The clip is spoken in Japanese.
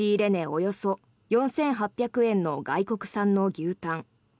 およそ４８００円の外国産の牛タン。